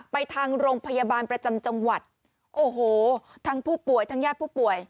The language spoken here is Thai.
ไปทางโรงพยาบาลประจำจังหวัดโอ้โหทั้งผู้ป่วยทั้งญาติผู้ป่วย